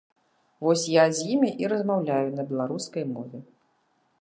Вось я з імі і размаўляю на беларускай мове.